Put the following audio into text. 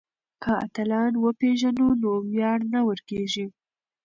که اتلان وپېژنو نو ویاړ نه ورکيږي.